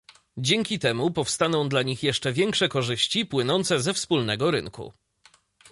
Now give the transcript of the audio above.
Dzięki temu powstaną dla nich jeszcze większe korzyści płynące ze wspólnego rynku